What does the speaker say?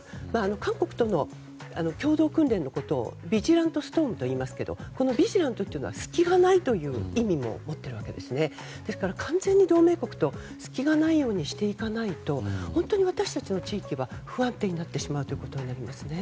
韓国との共同訓練のことをビジラント・ストームといいますがこのビジラントとは隙がないという意味もあってですから完全に同盟国と隙がないようにしていかないと本当に私たちの地域は不安定になってしまうことになります。